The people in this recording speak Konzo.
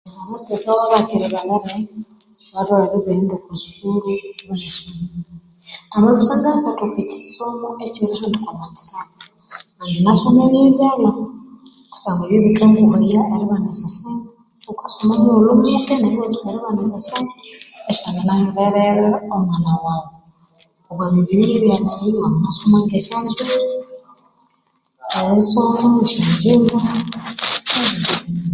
Abathwekawa abakiri balere batholere ibaghenda okwa sukuru amabya isyangathoka ekisomo ekyerihandika omwa kittabu anginasoma ebyebyalha kusangwa byebikanguhaya eribana esyosente ghukasoma mughulhu muke neryo iwatsuka eribana esyosente esyangina hererera omwana waghu omwamibiri yebyalha eyo wanginasoma ngesyonzwiri erisona esyonjjimba